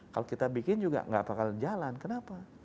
kalau kita bikin juga gak akan jalan kenapa